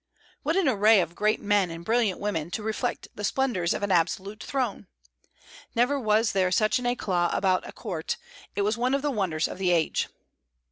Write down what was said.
What an array of great men and brilliant women to reflect the splendors of an absolute throne! Never was there such an éclat about a court; it was one of the wonders of the age.